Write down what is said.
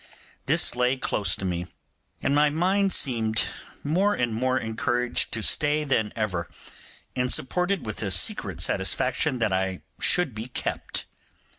This lay close to me, and my mind seemed more and more encouraged to stay than ever, and supported with a secret satisfaction that I should be kept.